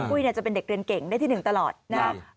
อุ้ยเนี่ยจะเป็นเด็กเรียนเก่งได้ที่หนึ่งตลอดนะครับ